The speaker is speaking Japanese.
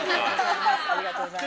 ありがとうございます。